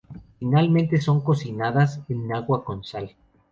Finalmente son cocinadas en agua con sal.